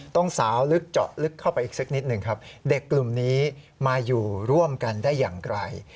สาวลึกเจาะลึกเข้าไปอีกสักนิดหนึ่งครับเด็กกลุ่มนี้มาอยู่ร่วมกันได้อย่างไกล